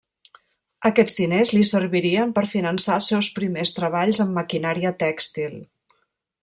Aquests diners li servirien per finançar els seus primers treballs amb maquinària tèxtil.